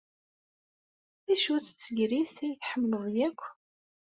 D acu-tt tsegrit ay tḥemmleḍ akk?